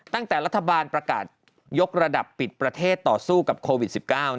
ตั้งแต่รัฐบาลประกาศยกระดับปิดประเทศต่อสู้กับโควิด๑๙